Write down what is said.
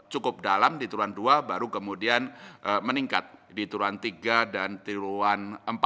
cukup dalam di turunan dua baru kemudian meningkat di turunan tiga dan triruan empat